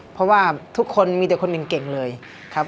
เพราะว่าทุกคนมีเดี๋ยวคนอื่นเก่งเลยครับ